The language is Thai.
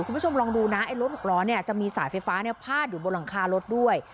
คุณผู้ชมลองดูนะไอ้รถหกล้อเนี่ยจะมีสายไฟฟ้าพาดอยู่บนหลังคารถด้วย